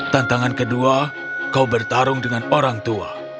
tantangan kedua kau bertarung dengan orang tua